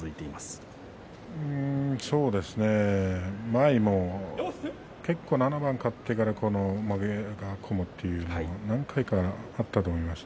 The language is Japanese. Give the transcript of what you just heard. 前も結構７番勝ってから負けが込むというのが何回かあったと思います。